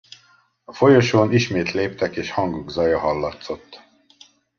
A folyosón ismét léptek és hangok zaja hallatszott.